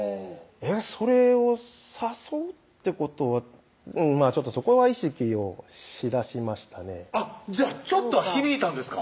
それを誘うってことはちょっとそこは意識をしだしましたねあっじゃあちょっとは響いたんですか？